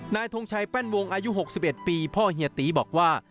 ทงชัยแป้นวงอายุ๖๑ปีพ่อเฮียตีบอกว่า